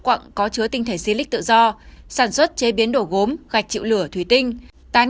khoáng sản khóa chứa tinh thể si lịch tự do sản xuất chế biến đổ gốm gạch chịu lửa thủy tinh tán